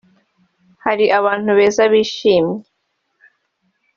Hari abantu beza bishimye